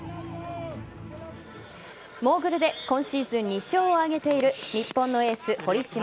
モーグルで今シーズン２勝を挙げている日本のエース・堀島。